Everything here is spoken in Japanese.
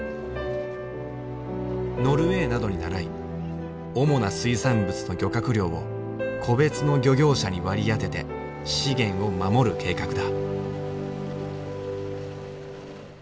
ノルウェーなどにならい主な水産物の漁獲量を個別の漁業者に割り当てて資源を守る計画だ。